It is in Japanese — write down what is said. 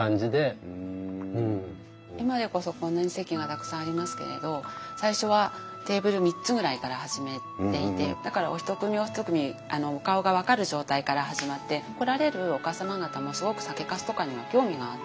今でこそこんなに席がたくさんありますけれど最初はテーブル３つぐらいから始めていてだからお一組お一組お顔が分かる状態から始まって来られるお母様方もすごく酒かすとかには興味があって。